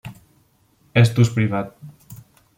És d'ús privat.